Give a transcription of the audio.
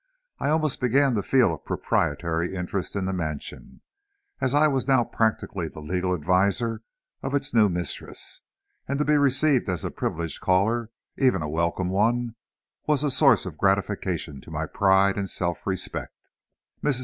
I almost began to feel a proprietary interest in the mansion, as I now was practically the legal adviser of its new mistress. And to be received as a privileged caller, even a welcome one, was a source of gratification to my pride and self respect. Mrs.